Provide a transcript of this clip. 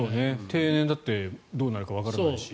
定年だってどうなるかわからないし。